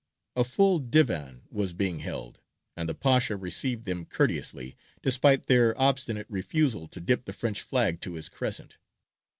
A full divan was being held, and the Pasha received them courteously, despite their obstinate refusal to dip the French flag to his crescent.